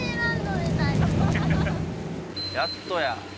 やっとや。